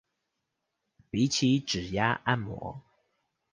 比起指壓按摩